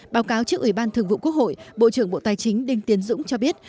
báo cáo trước ủy ban thường vụ quốc hội bộ trưởng bộ tài chính đinh tiến dũng cho biết